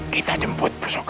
kita jemput pusaka itu